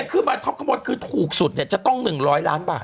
คือมาท็อปข้างบนคือถูกสุดจะต้อง๑๐๐ล้านบาท